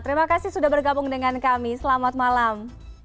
terima kasih sudah bergabung dengan kami selamat malam